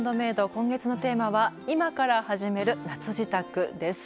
今月のテーマは「今から始める夏じたく！」です。